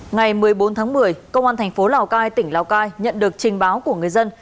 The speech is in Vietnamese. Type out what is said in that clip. ngày một mươi bốn tháng một mươi công an thành phố lào cai tỉnh lào cai nhận được trình báo của người dân